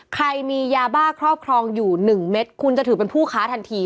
ใครมียาบ้าครอบครองอยู่๑เม็ดคุณจะถือเป็นผู้ค้าทันที